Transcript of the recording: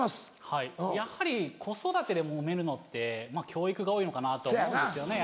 はいやはり子育てでモメるのって教育が多いのかなと思うんですよね